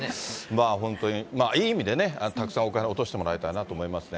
まあ本当に、いい意味でね、たくさんお金落としてもらいたいなと思いますね。